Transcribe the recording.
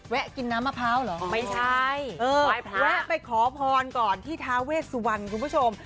กินน้ำมะพร้าวเหรอไม่ใช่แวะไปขอพรก่อนที่ทาเวสวรรณคุณผู้ชม